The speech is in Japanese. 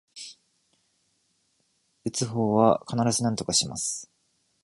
打つ方は必ずなんとかします